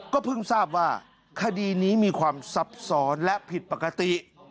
ก็เพิ่งทราบว่าคดีนี้มีความซับซ้อนและผิดปกติ